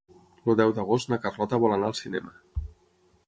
El deu d'agost na Carlota vol anar al cinema.